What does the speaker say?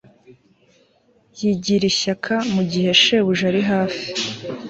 Yigira ishyaka mugihe shebuja ari hafi